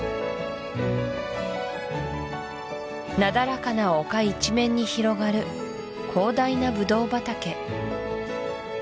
なだらかな丘一面に広がる広大なブドウ畑